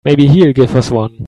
Maybe he'll give us one.